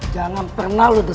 jangan pernah lu desak karat